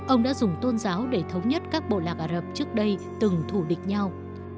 ông đã dùng tôn giáo để thống nhất các bộ lạc ả rập trước đây từng thủ địch nhau